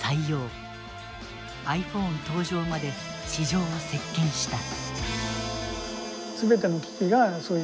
ｉＰｈｏｎｅ登場まで市場を席けんした。